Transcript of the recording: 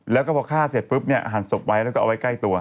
แล้วก็พอฆ่าเสร็จปุ๊บเนี่ยหันศพไว้แล้วก็เอาไว้ใกล้ตัว